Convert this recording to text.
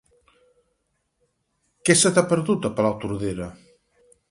Què se t'hi ha perdut, a Palautordera?